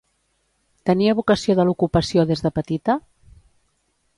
Tenia vocació de l'ocupació des de petita?